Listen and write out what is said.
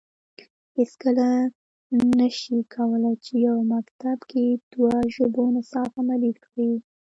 هیڅکله نه شي کولای چې یو مکتب کې په دوه ژبو نصاب عملي کړي